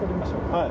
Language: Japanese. はい。